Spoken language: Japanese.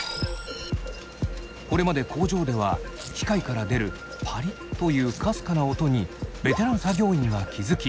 これまで工場では機械から出る「パリ」というかすかな音にベテラン作業員が気付き